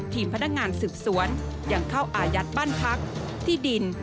ทีมพนักงานสืบสวนยังเข้าอายัดบ้านพักที่ดิน